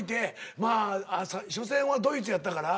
まあ初戦はドイツやったから。